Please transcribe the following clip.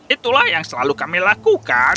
itulah yang selalu kami lakukan